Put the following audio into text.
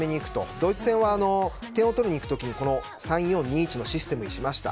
ドイツ戦は点を取りに行く時に３−４−２−１のシステムにしました。